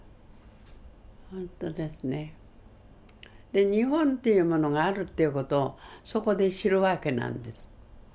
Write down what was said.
で日本っていうものがあるっていう事をそこで知るわけなんです。